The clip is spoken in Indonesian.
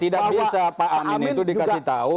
tidak bisa pak amin itu dikasih tahu